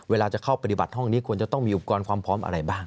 เวลาจะเข้าปฏิบัติห้องนี้ควรจะต้องมีอุปกรณ์ความพร้อมอะไรบ้าง